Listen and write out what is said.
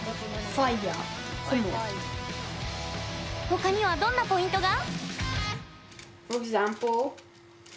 他にはどんなポイントが？